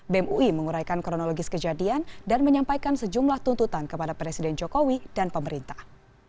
bem ui menguraikan kronologis kejadian dan menyampaikan sejumlah tuntutan kepada presiden jokowi dan pemerintah